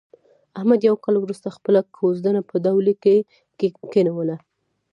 احمد یو کال ورسته خپله کوزدنه په ډولۍ کې کېنوله.